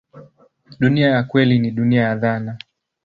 Dunia ya kweli ni dunia ya dhana.